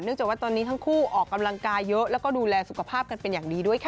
จากว่าตอนนี้ทั้งคู่ออกกำลังกายเยอะแล้วก็ดูแลสุขภาพกันเป็นอย่างดีด้วยค่ะ